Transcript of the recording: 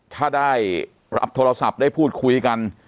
ถ้าได้รับโทรศัพท์ได้พูดคุยกัน